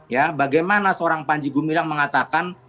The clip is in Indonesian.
ya bagaimana seorang panji gumilang mengatakan